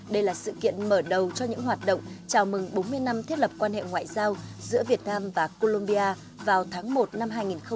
đây là sự kiện mở đầu cho những hoạt động chào mừng bốn mươi năm thiết lập quan hệ ngoại giao giữa việt nam và colombia vào tháng một năm hai nghìn hai mươi